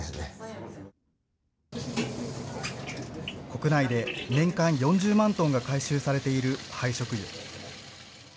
国内で年間４０万トンが回収されている廃食油。